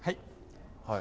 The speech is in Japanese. はい。